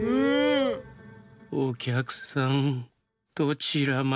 『おきゃくさんどちらまで？』。